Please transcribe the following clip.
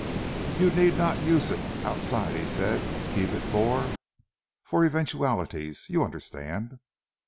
"You need not use it outside," he said. "Keep it for for eventualities. You understand?"